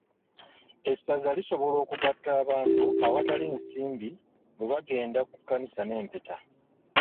Essaza lisobola okugatta abantu awatali nsimbi bwe bagenda ku kkanisa n'empeta.